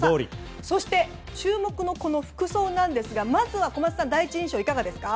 そして、注目の服装ですがまずは小松さん第一印象はいかがですか。